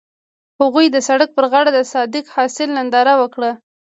هغوی د سړک پر غاړه د صادق ساحل ننداره وکړه.